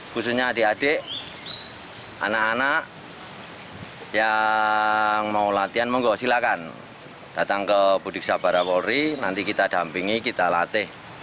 khususnya adik adik anak anak yang mau latihan silakan datang ke pusdik sabhara porong nanti kita dampingi kita latih